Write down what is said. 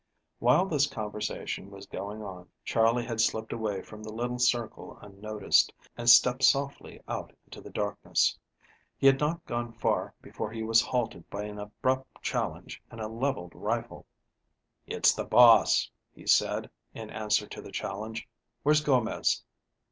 While this conversation was going on, Charley had slipped away from the little circle unnoticed, and stepped softly out into the darkness. He had not gone far before he was halted by an abrupt challenge and a leveled rifle. "It's the boss," he said, in answer to the challenge. "Where's Gomez?"